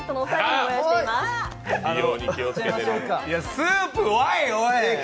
スープわい、おい！